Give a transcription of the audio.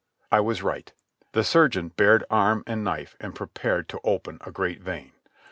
I was right. The surgeon bared arm and knife and prepared to open a great vein.